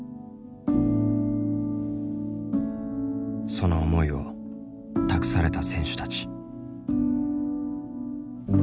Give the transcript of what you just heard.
その思いを託された選手たち。